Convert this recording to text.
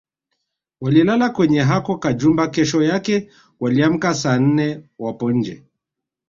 Walilala kwenye hako kajumba kesho yake waliamka saa nne wapo nje